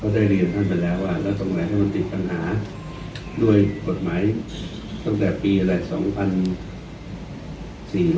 ได้เรียนท่านไปแล้วว่าแล้วตรงไหนถ้ามันติดปัญหาด้วยกฎหมายตั้งแต่ปีอะไร๒๐๔๐